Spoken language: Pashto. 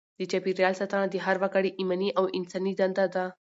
د چاپیریال ساتنه د هر وګړي ایماني او انساني دنده ده.